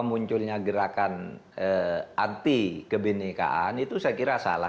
munculnya gerakan anti kebenekaan itu saya kira salah